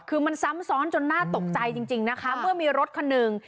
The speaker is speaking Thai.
คือมันซ้ำซ้อนจนน่าตกใจจริงนะคะเมื่อมีรถคันหนึ่ง